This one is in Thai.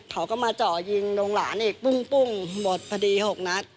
เขาก็มาเจาะยิงลงหลานอีกปุ้งหมดพอดี๖นัด